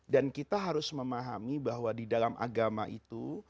dan kita harus memahami bahwa di dalam agama itu